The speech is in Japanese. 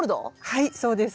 はいそうです。